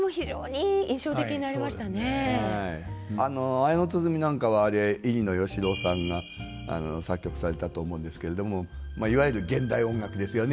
「綾の鼓」なんかあれ入野義朗さんが作曲されたと思うんですけれどもいわゆる現代音楽ですよね。